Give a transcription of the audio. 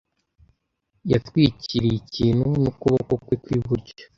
yitwikiriye ikintu n'ukuboko kwe kw'iburyo.